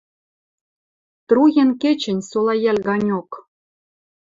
Труен кечӹнь солайӓл ганьок.